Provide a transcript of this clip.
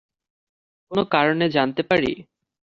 কোন কারণে জানতে পারি?